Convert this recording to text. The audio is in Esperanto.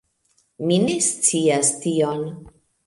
Mi ne scias tion